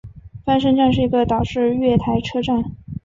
翻身站是一个岛式月台车站。